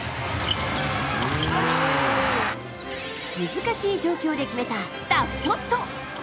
難しい状況で決めたタフショット。